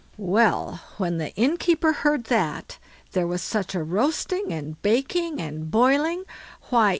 Well, when the innkeeper heard that, there was such a roasting, and baking, and boiling; why!